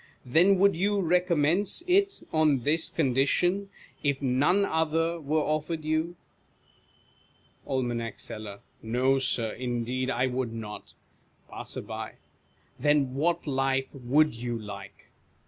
Then would you recommence it on this con dition, if none other were offered you ? Aim. Seller. ISTo, Sir, indeed I would not. Passer. Then what life would you like